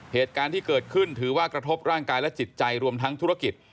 เหตุการณ์ที่เกิดขึ้นถือว่ากระทบร่างกายและจิตใจรวมทั้งธุรกิจ